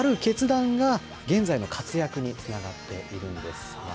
ある決断が現在の活躍につながっているんです。